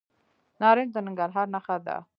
نارنج د ننګرهار نښه ده.